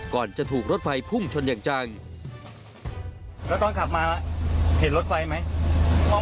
ก่อนจะถูกรถไฟพุ่งชนอย่างจังแล้วตอนขับมาเห็นรถไฟไหม